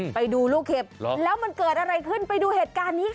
ไปดูลูกเห็บแล้วมันเกิดอะไรขึ้นไปดูเหตุการณ์นี้ค่ะ